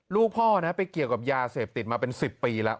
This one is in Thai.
ลูกพ่อนะไปเกี่ยวกับยาเสพติดมาเป็น๑๐ปีแล้ว